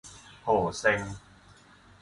โหเซ็ง